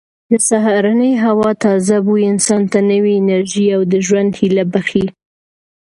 د سهارنۍ هوا تازه بوی انسان ته نوې انرژي او د ژوند هیله بښي.